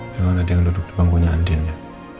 jangan ada yang duduk di bangkunya andin ya